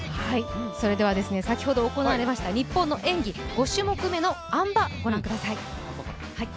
それでは先ほど行われました日本の演技、５種目めのあん馬、ご覧ください。